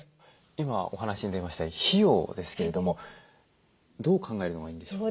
今お話に出ました費用ですけれどもどう考えるのがいいんでしょう？